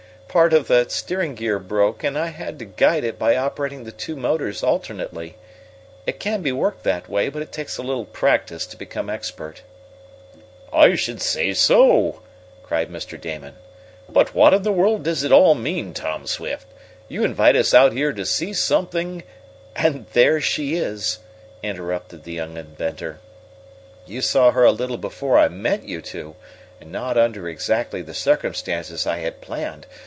"Part of the steering gear broke and I had to guide it by operating the two motors alternately. It can be worked that way, but it takes a little practice to become expert." "I should say so!" cried Mr. Damon. "But what in the world does it all mean, Tom Swift? You invite us out to see something " "And there she is!" interrupted the young inventor. "You saw her a little before I meant you to, and not under exactly the circumstances I had planned.